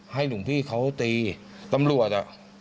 ให้หลุงพี่เขาตีตำรวจ